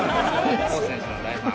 王選手の大ファン？